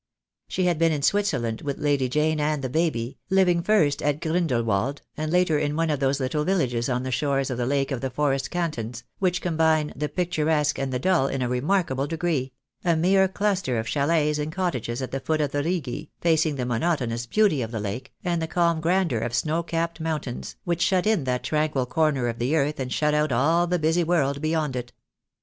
She had been in Switzerland, with Lady Jane and the baby, living first at Grindelwald, and later in one of those little villages on the shores of the lake of the forest cantons, which combine the picturesque and the dull in a remarkable degree — a mere cluster of chalets and cottages at the foot of the Rigi, facing the monotonous beauty of the lake, and the calm grandeur of snow capped mountains, which shut in that tranquil corner of the earth and shut out all the busy world beyond it.